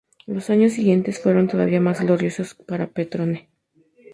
Los años siguientes fueron todavía más gloriosos para Petrone.